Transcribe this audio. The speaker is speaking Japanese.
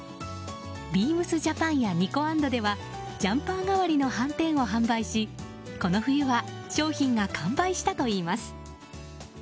ビームスジャパンやニコアンドではジャンパー代わりのはんてんを販売しこの冬は、商品が完売したといいます。